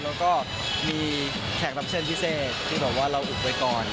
แล้วก็มีแขกรับเชิญพิเศษที่บอกว่าเราอุบไว้ก่อน